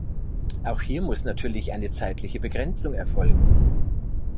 Auch hier muss natürlich eine zeitliche Begrenzung erfolgen.